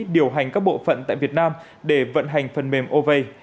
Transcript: điều hành các bộ phận tại việt nam để vận hành phần mềm ova